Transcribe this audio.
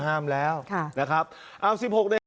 เฮ้มันเป็นย้องว่ะ